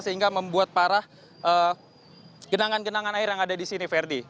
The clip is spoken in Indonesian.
sehingga membuat parah genangan genangan air yang ada di sini ferdi